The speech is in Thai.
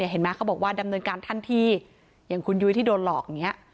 เห็นไหมเขาบอกว่าดำเนินการทันทีอย่างคุณยุ้ยที่โดนหลอกอย่างนี้